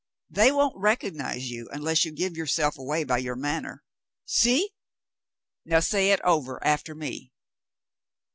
They won't recognize you unless you give yourself away by your manner. See ? Now say it oyer after me.